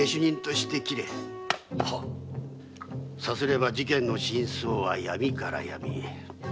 そうすれば事件の真相は闇から闇。